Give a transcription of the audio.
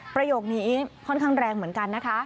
ประโยคนี้ค่อนข้างแรงเหมือนกันนะคะ